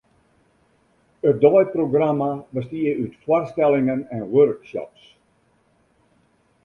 It deiprogramma bestie út foarstellingen en workshops.